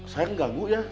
saya mengganggu ya